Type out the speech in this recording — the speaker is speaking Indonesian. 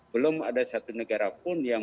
belum ada satu negara pun yang